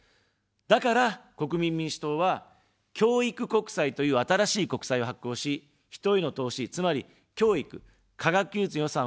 だから、国民民主党は、教育国債という新しい国債を発行し、人への投資、つまり、教育、科学技術の予算を倍増させます。